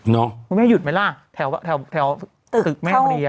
เนอะคุณแม่หยุดไหมล่ะแถวแถวแถวตึกแม่บริเวณ